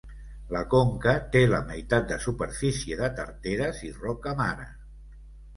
La conca té la meitat de superfície de tarteres i roca mare.